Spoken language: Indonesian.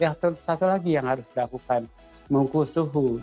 ya satu lagi yang harus dilakukan mengukur suhu